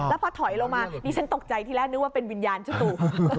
แล้วพอถอยลงมาดิฉันตกใจที่แรกนึกว่าเป็นวิญญาณเจ้าตู